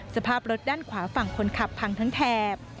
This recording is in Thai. สภาพรถด้านขวาฝั่งคนขับพังทั้งแถบ